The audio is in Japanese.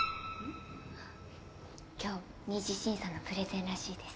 今日２次審査のプレゼンらしいです。